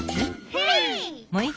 ヘイ！